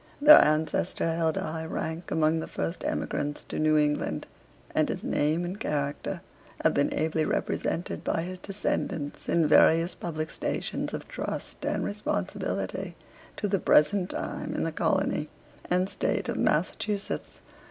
Their ancestor held a high rank among the first emigrants to New England, and his name and character have been ably represented by his descendants in various public stations of trust and responsibility to the present time in the colony and state of Massachusetts.